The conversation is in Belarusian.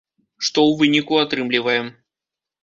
Што ў выніку атрымліваем.